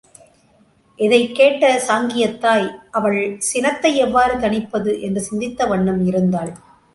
இதைக் கேட்ட சாங்கியத் தாய் அவள் சினத்தை எவ்வாறு தணிப்பது என்று சிந்தித்த வண்ணம் இருந்தாள்.